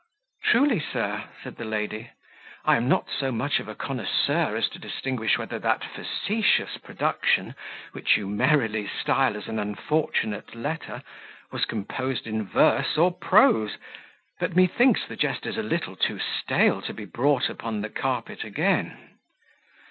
"Truly, sit," said the lady, "I am not so much of a connoisseur as to distinguish whether that facetious production, which you merrily style as an unfortunate letter, was composed in verse or prose; but methinks, the jest is a little too stale to be brought upon the carpet again."